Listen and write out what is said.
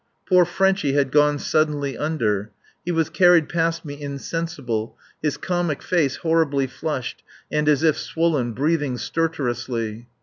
Poor Frenchy had gone suddenly under. He was carried past me insensible, his comic face horribly flushed and as if swollen, breathing stertorously.